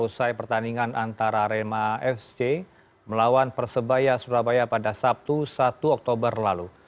usai pertandingan antara rema fc melawan persebaya surabaya pada sabtu satu oktober lalu